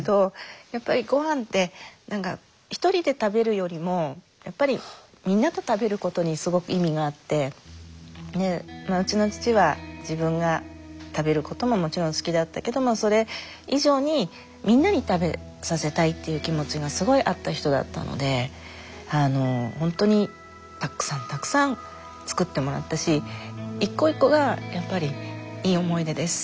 やっぱり御飯って１人で食べるよりもみんなと食べることにすごく意味があってうちの父は自分が食べることももちろん好きだったけどもそれ以上にみんなに食べさせたいっていう気持ちがすごいあった人だったのでほんとにたくさんたくさん作ってもらったし１個１個がやっぱりいい思い出です。